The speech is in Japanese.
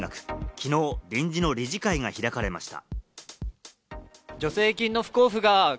きのう臨時の理事会が開かれました。